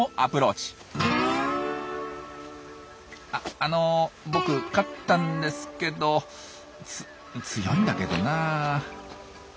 「あの僕勝ったんですけどつ強いんだけどなあ」。